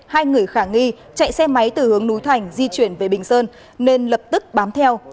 hai người khả nghi chạy xe máy từ hướng núi thành di chuyển về bình sơn nên lập tức bám theo